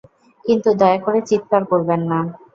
কিন্ত দয়াকরে চিৎকার করবেন না।